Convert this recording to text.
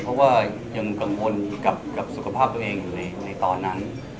เพราะว่ายังกังวลกับสุขภาพตัวเองอยู่ในตอนนั้น